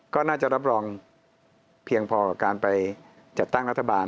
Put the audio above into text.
ก็น่าจะรับรองเพียงพอกับการไปจัดตั้งรัฐบาล